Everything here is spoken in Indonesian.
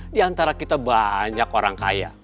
di antara kita banyak orang kaya